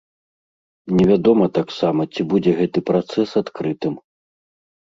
Невядома таксама, ці будзе гэты працэс адкрытым.